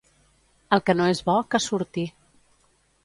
El que no és bo, que surti.